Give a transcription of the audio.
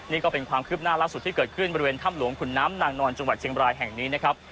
นี่ก็เป็นความคืบหน้าล่าสุดที่เกิดขึ้นบริเวณถ้ำหลวงขุนน้ำนางนอนจังหวัดเชียงบรายแห่งนี้นะครับ